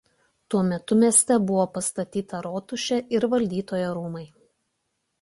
Tuo metu mieste buvo pastatyta rotušė ir valdytojo rūmai.